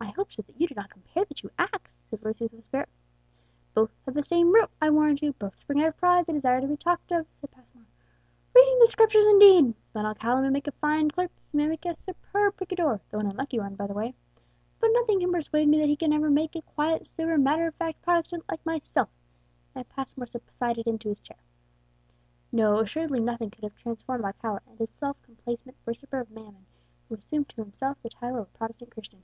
"I hope, sir, that you do not compare the two acts," said Lucius, with spirit. "Both have the same root, I warrant you; both spring out of pride, the desire to be talked of," said Passmore. "Reading the Scriptures indeed! Don Alcala may make a fine clerk, he may make a superb picador (though an unlucky one, by the way), but nothing can persuade me that he can ever make a quiet, sober, matter of fact Protestant, like myself;" and Passmore subsided into his chair. No; assuredly nothing could have transformed Alcala into the self complacent worshipper of Mammon, who assumed to himself the title of a Protestant Christian.